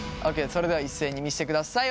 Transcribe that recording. それでは一斉に見せてください。